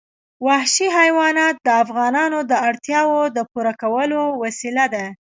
وحشي حیوانات د افغانانو د اړتیاوو د پوره کولو وسیله ده.